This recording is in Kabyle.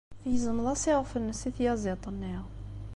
Tgezmeḍ-as iɣef-nnes i tyaziḍt-nni.